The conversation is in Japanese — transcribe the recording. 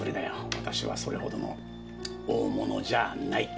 私はそれほどの大物じゃない。